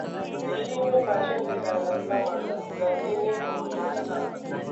दिल्ली में fashion designer का murder, दर्जी ने कबूला गुनाह